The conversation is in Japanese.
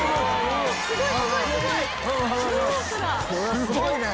「すごいね」